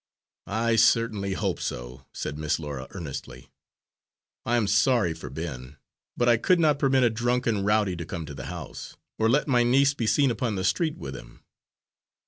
"I certainly hope so," said Miss Laura earnestly. "I am sorry for Ben, but I could not permit a drunken rowdy to come to the house, or let my niece be seen upon the street with him."